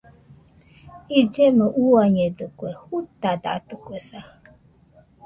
Illemo uiañedɨkue, jutadatɨkuesa.